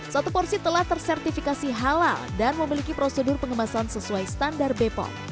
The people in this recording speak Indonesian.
satu porsi telah tersertifikasi halal dan memiliki prosedur pengemasan sesuai standar bepop